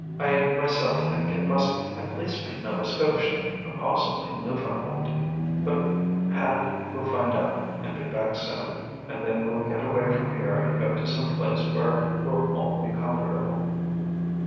I myself think it must at least be Nova Scotia, or possibly Newfoundland. But Hand will find out and be back soon, and then we'll get away from here and go to some place where we'll all be comfortable."